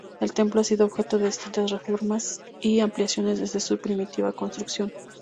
El templo ha sido objeto de distintas reformas y ampliaciones desde su primitiva construcción.